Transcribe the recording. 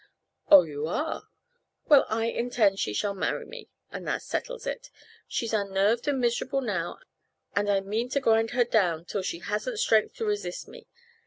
"Oh, you are? Well, I intend she shall marry me, and that settles it. She's unnerved and miserable now, and I mean to grind her down till she hasn't strength to resist me.